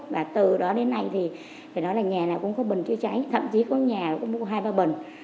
và từ đó đến nay thì phải nói là nhà này cũng có bần chữa cháy thậm chí có nhà cũng có hai ba bần